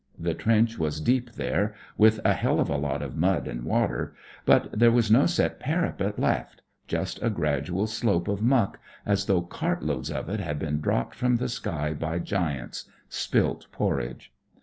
The trench was deep there, with a hell of a lot of mud and water; but there was no set parapet left; just a gradual slope of muck, as though cartloads of it had been dropped from the sky by giants— spilt porridge.